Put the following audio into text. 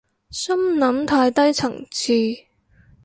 心諗太低層次